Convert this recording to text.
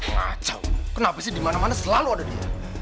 ngacau kenapa sih dimana mana selalu ada dia